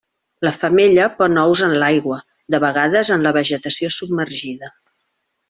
La femella pon ous en l'aigua, de vegades en la vegetació submergida.